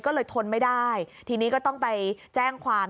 ก็เลยทนไม่ได้ทีนี้ก็ต้องไปแจ้งความ